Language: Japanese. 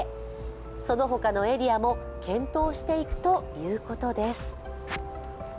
そのほかのエリアも検討していくということです。